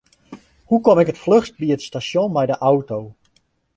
Hoe kom ik it fluchst by it stasjon mei de auto?